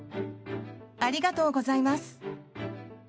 ありがとうございます！